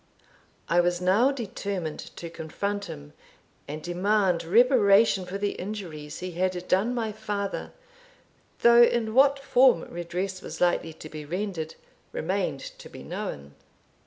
I was now determined to confront him, and demand reparation for the injuries he had done my father, though in what form redress was likely to be rendered remained to be known.